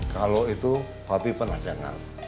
kalau itu pak pi pernah jangan